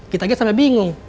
kita aja sampe bingung